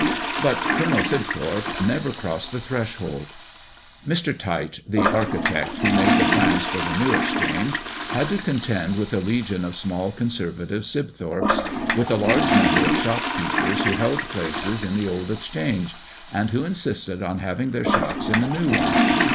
But Colonel Sibthorp never crossed the threshold. Mr. Tite, the architect who made the plans for the New Exchange, had to contend with a legion of small conservative Sibthorpes, with a large number of shopkeepers who held places in the Old Exchange, and who insisted on having their shops in the new one.